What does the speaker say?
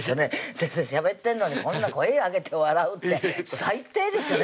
先生しゃべってんのにこんな声上げて笑うって最低ですよね